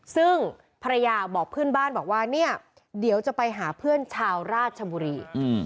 ซึ่งภรรยาบอกเพื่อนบ้านบอกว่าเนี่ยเดี๋ยวจะไปหาเพื่อนชาวราชบุรี